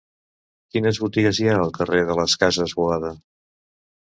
Quines botigues hi ha al carrer de les Cases Boada?